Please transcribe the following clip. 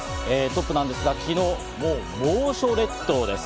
トップなんですが、昨日の猛暑列島です。